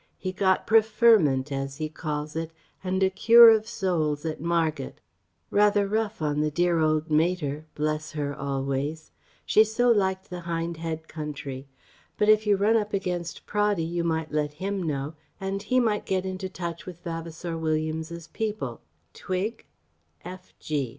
He got "preferment" as he calls it, and a cure of souls at Margate. Rather rough on the dear old mater bless her, always She so liked the Hindhead country. But if you run up against Praddy you might let him know and he might get into touch with Vavasour Williams's people twig?